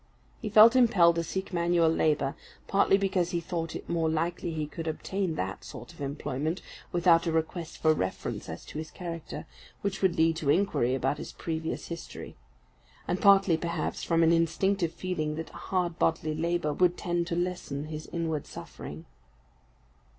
He felt impelled to seek manual labour, partly because he thought it more likely he could obtain that sort of employment, without a request for reference as to his character, which would lead to inquiry about his previous history; and partly, perhaps, from an instinctive feeling that hard bodily labour would tend to lessen his inward suffering.